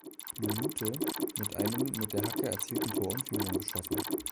Minute mit einem mit der Hacke erzielten Tor in Führung geschossen.